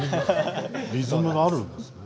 リズムがあるんですね。